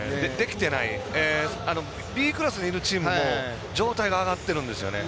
Ｂクラスにいるチームも状態が上がってるんですよね。